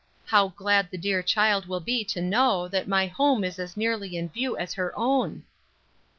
How glad the dear child will be to know that my home is as nearly in view as her own."